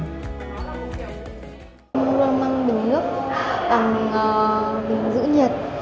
tôi mang bình nước bằng bình giữ nhiệt